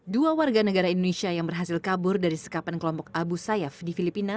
dua warga negara indonesia yang berhasil kabur dari sekapan kelompok abu sayyaf di filipina